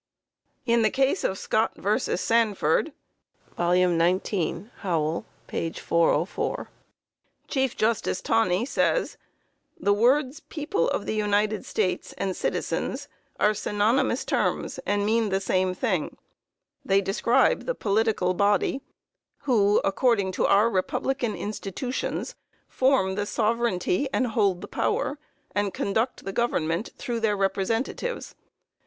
In the case of Scott vs. Sanford (19 How. 404), Chief Justice Taney says: "The words 'people of the United States,' and 'citizens,' are synonymous terms, and mean the same thing; they describe the _political body, who, according to our republican institutions, form the sovereignty and hold the power, and conduct the government through their representatives_.